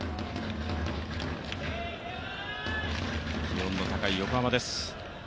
気温の高い横浜です。